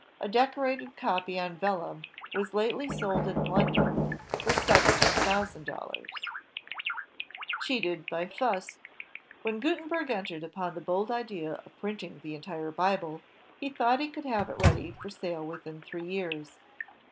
A decorated copy on vellum was lately sold in London for seventeen thousand dollars^ Cheated by Fust When Gutenberg entered upon the bold plan of printing the entire Bible, he thought he could have it ready for sale within three years.